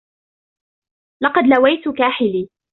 لقد لويت كاحلي.